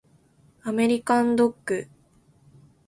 アメリカンドッグ